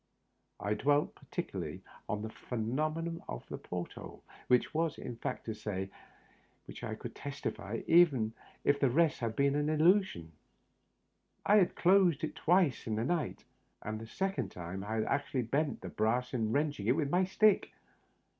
I dwelt particularly on the phenomenon of the Digitized by VjOOQIC 4:0 THE UPPER BERTH. port hole, which was a fact to which I could testify, even if the rest had been an illusion. I had closed it twice in the night, and the second time I had actually bent the brass in wrenching it with my stick.